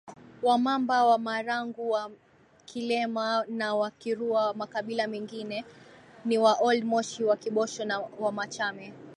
WaMamba WaMaranguWaKilema na Wakirua Makabila mengine ni WaOld Moshi WaKibosho na WaMachame